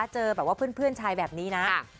เจอแบบว่าเพื่อนชายแบบนี้นะ